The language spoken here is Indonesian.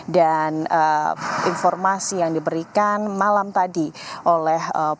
dan informasi yang diberikan malam tadi oleh penyidik